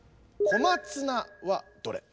小松菜はどれ？